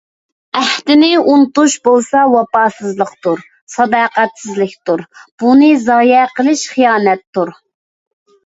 ئەھدىنى ئۇنتۇش بولسا، ۋاپاسىزلىقتۇر، ساداقەتسىزلىكتۇر. ئۇنى زايە قىلىش خىيانەتتۇر.